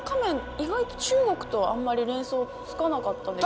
意外と中国とあんまり連想つかなかったです。